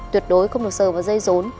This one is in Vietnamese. tuyệt đối không được sờ vào dây rốn